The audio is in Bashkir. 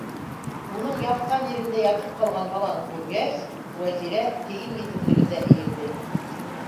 Уның ятҡан ерендә ятып ҡалған баланы күргәс, Вәзирә тейен етеҙлегендә эйелде.